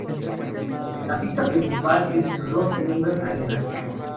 La pista principal es la Rod Laver Arena.